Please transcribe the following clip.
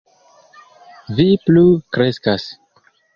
Vi plu kreskas.